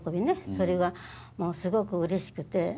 それがすごくうれしくて。